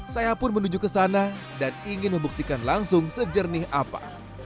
saya pun menuju ke sana dan ingin membuktikan langsung sejernih apa